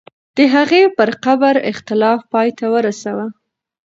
د هغې پر قبر اختلاف پای ته ورسوه.